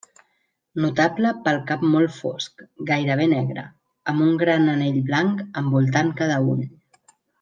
Notable pel cap molt fosc, gairebé negre, amb un gran anell blanc envoltant cada ull.